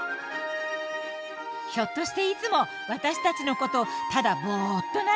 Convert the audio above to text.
ひょっとしていつも私たちのことをただボッと眺めてません？